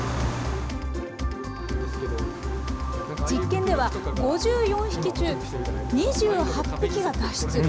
実験では、５４匹中、２８匹が脱出。